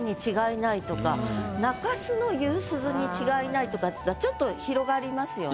中洲の夕涼に違いないとかってちょっと広がりますよね。